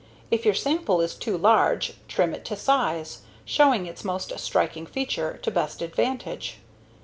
If your sample is too large, trim it to size, showing its most striking feature to best advantage.